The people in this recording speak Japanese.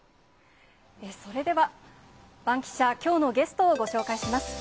それでは、バンキシャ、きょうのゲストをご紹介します。